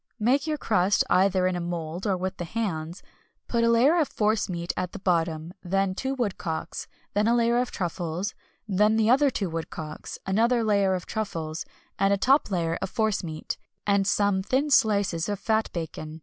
Make your crust, either in a mould, or with the hands, put a layer of force meat at the bottom, then two woodcocks, then a layer of truffles, then the other two woodcocks, another layer of truffles, and a top layer of force meat, and some thin slices of fat bacon.